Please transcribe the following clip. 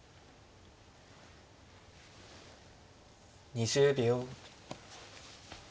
２０秒。